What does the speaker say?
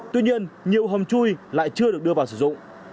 tuy nhiên nhiều hầm chui lại chưa được đưa vào sử dụng